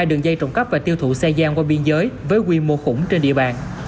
hai đường dây trộm cắp và tiêu thụ xe gian qua biên giới với quy mô khủng trên địa bàn